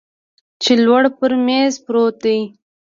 چې لوړ پر میز پروت دی